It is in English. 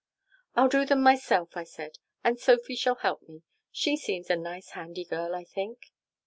"'I'll do them myself,' I said, 'and Sophy shall help me. She seems a nice handy girl, I think.'